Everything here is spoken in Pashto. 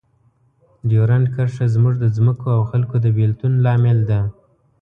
ډیورنډ کرښه زموږ د ځمکو او خلکو د بیلتون لامل ده.